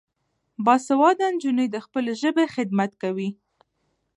باسواده نجونې د خپلې ژبې خدمت کوي.